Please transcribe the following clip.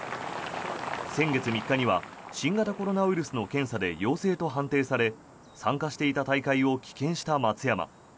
先月３日には新型コロナウイルスの検査で陽性と判定され参加していた大会を棄権した松山。